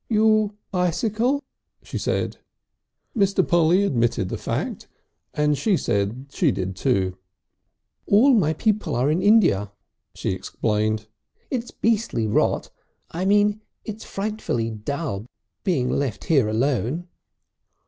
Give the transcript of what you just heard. "You bicycle?" she said. Mr. Polly admitted the fact, and she said she did too. "All my people are in India," she explained. "It's beastly rot I mean it's frightfully dull being left here alone."